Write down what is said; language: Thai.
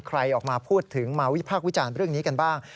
ใครออกมาพูดถึงมาวิพากษ์วิจารณ์เรื่องนี้กันบ้าง